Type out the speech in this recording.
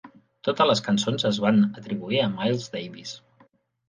Totes les cançons es van atribuir a Miles Davis.